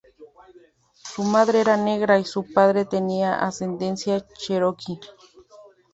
Su madre era negra y su padre tenía ascendencia cheroqui.